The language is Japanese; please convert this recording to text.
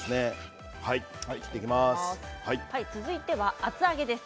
続いては厚揚げです。